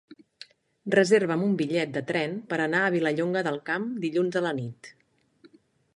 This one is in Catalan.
Reserva'm un bitllet de tren per anar a Vilallonga del Camp dilluns a la nit.